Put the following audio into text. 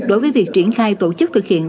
đối với việc triển khai tổ chức thực hiện